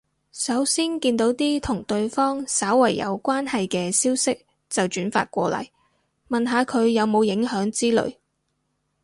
首先見到啲同對方稍為有關係嘅消息就轉發過嚟，問下佢有冇影響之類